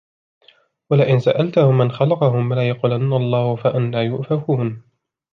ولئن سألتهم من خلقهم ليقولن الله فأنى يؤفكون